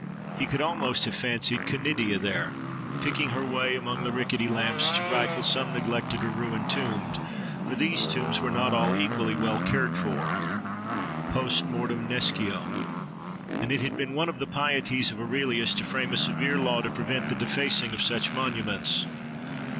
He could almost have fancied Canidia there, picking her way among the rickety lamps, to rifle some neglected or ruined tomb; for these tombs were not all equally well cared for (Post mortem nescio!) and it had been one of the pieties of Aurelius to frame a severe law to prevent the defacing of such monuments.